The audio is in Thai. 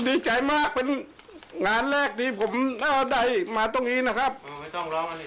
ดีใจมากเป็นงานแรกที่ผมได้มาตรงนี้นะครับอ๋อไม่ต้องร้องอะไร